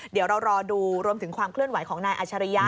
เดี๋ยวเรารอดูรวมถึงความเคลื่อนไหวของนายอัชริยะ